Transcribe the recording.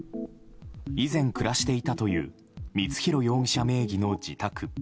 以前、暮らしていたという光弘容疑者名義の自宅。